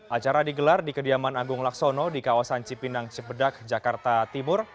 acara digelar di kediaman agung laksono di kawasan cipinang cipedak jakarta timur